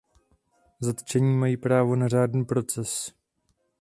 Zatčení mají právo na řádný proces.